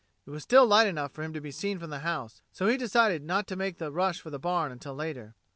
It was still light enough for him to be seen from the house, and so he decided not to make the rush for the barn until later.